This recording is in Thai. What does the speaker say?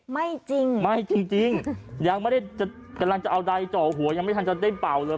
ไม่จริงไม่จริงยังไม่ได้กำลังจะเอาใดเจาะหัวยังไม่ทันจะได้เป่าเลย